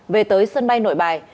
về tới sân bay nội bài